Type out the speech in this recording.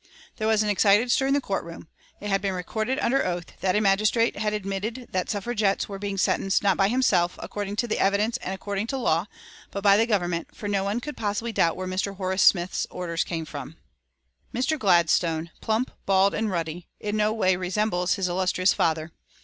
There was an excited stir in the courtroom. It had been recorded under oath that a magistrate had admitted that Suffragettes were being sentenced not by himself, according to the evidence and according to law, but by the Government, for no one could possibly doubt where Mr. Horace Smith's orders came from. Mr. Gladstone, plump, bald, and ruddy, in no way resembles his illustrious father.